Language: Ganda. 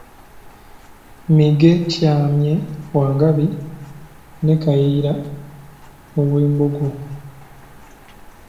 Migeekyamye wa Ngabi ne Kayiira ow'Embogo.